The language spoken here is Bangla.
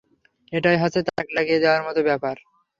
এটাই হচ্ছে তাক লাগিয়ে দেয়ার মতো ব্যাপার!